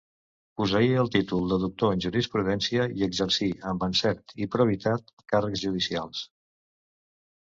Posseïa el títol de doctor en jurisprudència i exercí, amb encert i probitat càrrecs judicials.